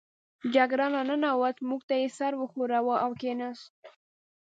جګړن را ننوت، موږ ته یې سر و ښوراوه او کېناست.